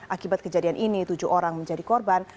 akibat kejadian ini tujuh orang menjadi korban